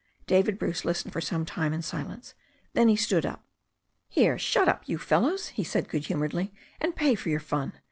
David Bruce listened for some time in silence. Then he stood up. "Here, shut up, you fellows," he said good humouredly, "and pay for your fun.